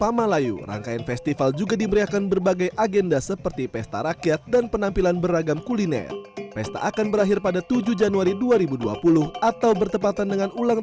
nah maka kita mengingat sungai itu adalah sumber kehidupan dan maka dari itu dengan hari maritim ini kita jaga sungai dan lingkungan kita di tempat kita masing masing